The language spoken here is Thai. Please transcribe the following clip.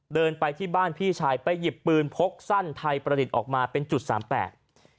เดินไปที่บ้านพี่ชายไปหยิบปืนพกสั้นไทยประดิษฐ์ออกมาเป็นจุดสามแปด